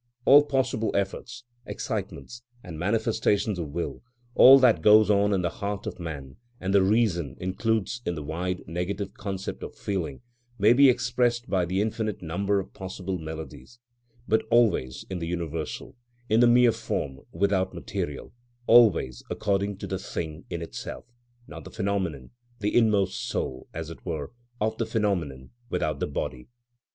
All possible efforts, excitements, and manifestations of will, all that goes on in the heart of man and that reason includes in the wide, negative concept of feeling, may be expressed by the infinite number of possible melodies, but always in the universal, in the mere form, without the material, always according to the thing in itself, not the phenomenon, the inmost soul, as it were, of the phenomenon, without the body.